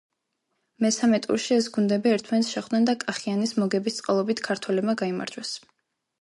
მესამე ტურში ეს გუნდები ერთმანეთს შეხვდნენ და კახიანის მოგების წყალობით ქართველებმა გაიმარჯვეს.